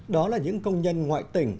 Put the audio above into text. đó là những công nhân ngoại tỉnh